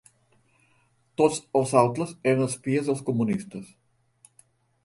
Tots els altres eren espies dels comunistes